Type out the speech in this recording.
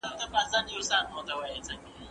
ټاکلې پانګي څخه لازم حاصلات نه ترلاسه کيږي.